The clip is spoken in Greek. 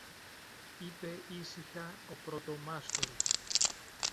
είπε ήσυχα ο πρωτομάστορης.